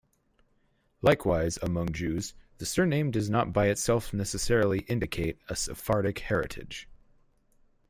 Likewise, among Jews, the surname does not by itself necessarily indicate a Sephardic heritage.